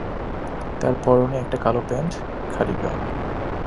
তার পরনে একটি কালো প্যান্ট, খালি গা।